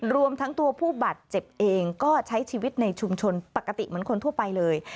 รวมทั้งตัวผู้บาดเจ็บเองก็ใช้ชีวิตในชุมชนปกติเหมือนคนทั่วไปเลย